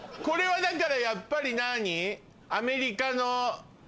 これはだからやっぱり何アメリカの。